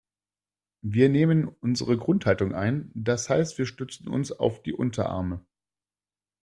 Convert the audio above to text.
Wir nehmen unsere Grundhaltung ein, das heißt wir stützen uns auf die Unterarme.